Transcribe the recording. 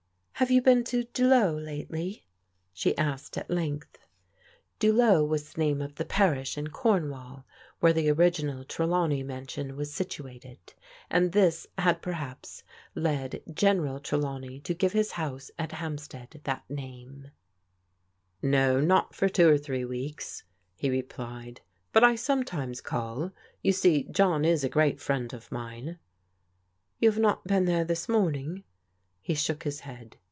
" Have you been to Duloe lately? " she asked at length. Duloe was the name of the parish in Cornwall where the original Trelawney Mansion was situated, and this had perhaps led General Trelawney to give his house at Hampstead that name. THE HORROR OF THE AWAKENING 249 " No, not for two or three weeks," he replied, " but I sometimes call. You see, John is a great friend of mine." " You have not been there this morning?" He shook his head.